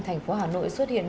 thành phố hà nội xuất hiện